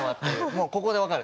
もうここで分かる。